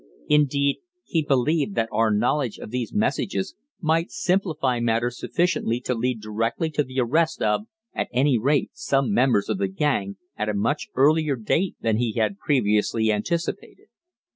Indeed, he believed that our knowledge of these messages might simplify matters Sufficiently to lead directly to the arrest of at any rate some members of the gang at a much earlier date than he had previously anticipated.